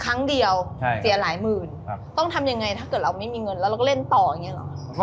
ครั้งเดียวเสียหลายหมื่นต้องทำยังไงถ้าเกิดเราไม่มีเงินแล้วเราก็เล่นต่ออย่างนี้เหรอ